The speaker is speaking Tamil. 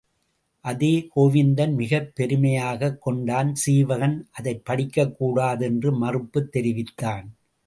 அதை கோவிந்தன் மிகப் பெருமையாகக் கொண்டான் சீவகன் அதைப் படிக்கக்கூடாது என்று மறுப்புத் தெரிவித்தான்.